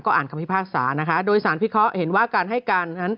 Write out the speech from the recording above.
อ่านคำพิพากษานะคะโดยสารพิเคราะห์เห็นว่าการให้การนั้น